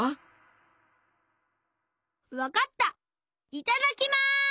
いただきます！